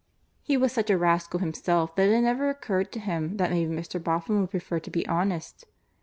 He was such a rascal himself that it never occurred to him that maybe Mr. Boffin would prefer to be honest.